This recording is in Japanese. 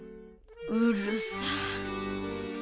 うるさっ。